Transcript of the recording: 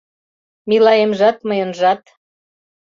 Милаемжат мыйынжат